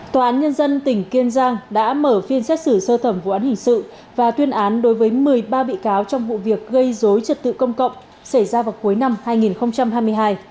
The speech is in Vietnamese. tòa án nhân dân tỉnh kiên giang đã mở phiên xét xử sơ thẩm vụ án hình sự và tuyên án đối với một mươi ba bị cáo trong vụ việc gây dối trật tự công cộng xảy ra vào cuối năm hai nghìn hai mươi hai